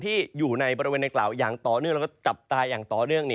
ที่อยู่ในบริเวณในกล่าวอย่างต่อเนื่องแล้วก็จับตาอย่างต่อเนื่อง